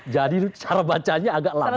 jadi cara bacanya agak lambat